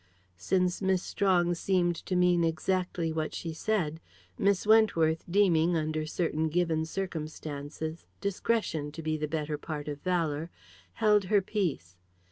Since Miss Strong seemed to mean exactly what she said, Miss Wentworth, deeming, under certain given circumstances, discretion to be the better part of valour, held her peace.